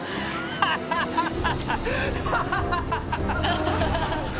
ハハハハ！